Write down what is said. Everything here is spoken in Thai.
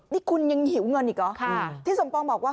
นี่คุณยังหิวเงินอีกเหรอที่สมปองบอกว่า